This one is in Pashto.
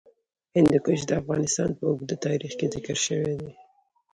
هندوکش د افغانستان په اوږده تاریخ کې ذکر شوی دی.